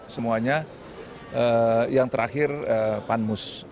semuanya yang terakhir panmus